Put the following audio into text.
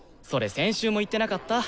先週も言ってなかった？